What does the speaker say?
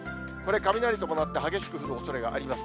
雷伴って激しく降るおそれがあります。